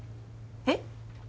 えっ？